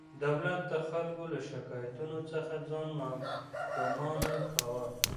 دولت د خلکو له شکایتونو څخه ځان ناګمانه کاوه.